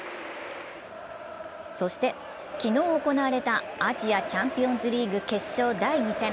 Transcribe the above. そして、昨日行われたアジアチャンピオンズリーグ決勝第２戦。